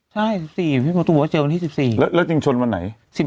ใช่๑๔พี่บัตตูว่าเจ็บที่๑๔ฤดิงชนวันไหน